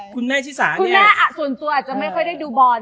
คุณแม่ส่วนตัวจะไม่ค่อยได้ดูบอน